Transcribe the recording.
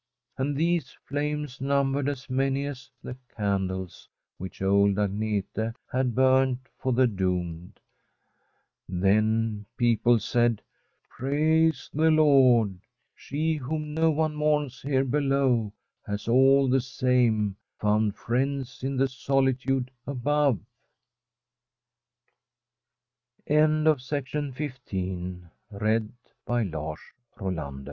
And these flames numbered as many as the candles which old Agnete had burned for the doomed. Then people said: * Praise the Lord I She whom no one mourns here below has all the same found friends in the solitude above '' (229] Fr